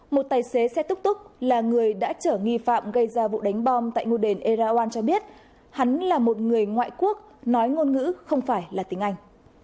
một tài xế xe túc túc là người đã chở nghi phạm gây ra vụ đánh bom tại ngôi đền erawan cho biết hắn là một người ngoại quốc nói ngôn ngữ không phải là tiếng anh